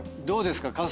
どうですか？